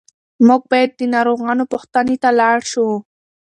موږ باید د ناروغانو پوښتنې ته لاړ شو.